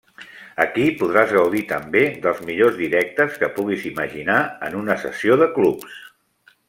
Aquí podràs gaudir també dels millors directes que puguis imaginar en una sessió de clubs.